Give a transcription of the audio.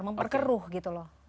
memperkeruh gitu loh